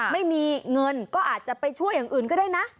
ไม่มีเงินก็อาจจะไปช่วยอย่างอื่นก็ได้นะ